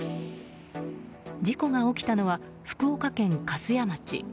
事故が起きたのは福岡県粕屋町。